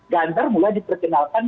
ganggar mulai diperkenalkan